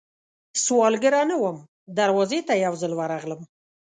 سوالګره نه وم، دروازې ته یې یوځل ورغلم